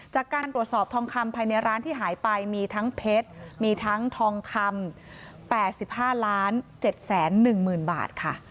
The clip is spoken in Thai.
จากการตรวจสอบทองคำภายในร้านที่หายไปมีทั้งเพชรมีทั้งทองคำ๘๕๗๑๐๐๐บาทค่ะ